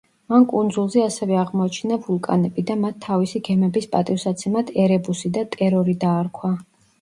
მან კუნძულზე ასევე აღმოაჩინა ვულკანები და მათ თავისი გემების პატივსაცემად ერებუსი და ტერორი დაარქვა.